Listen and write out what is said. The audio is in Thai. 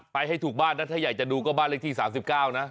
ให้ถูกบ้านนะถ้าอยากจะดูก็บ้านเลขที่๓๙นะ